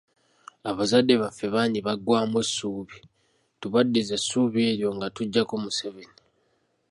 Abazadde baffe bangi baggwaamu essuubi, tubaddize essuubi eryo nga tuggyako Museveni.